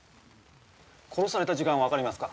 殺された時間分かりますか？